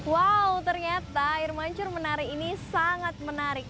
wow ternyata air mancur menari ini sangat menarik